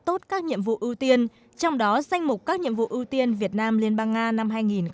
tốt các nhiệm vụ ưu tiên trong đó danh mục các nhiệm vụ ưu tiên việt nam liên bang nga năm hai nghìn hai mươi